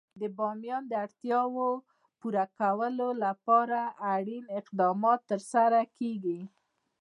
د بامیان د اړتیاوو پوره کولو لپاره اړین اقدامات ترسره کېږي.